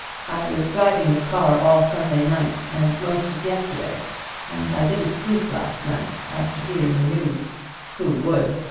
"I was driving the car all Sunday night and most of yesterday, and I didn't sleep last night, after hearing the news who would?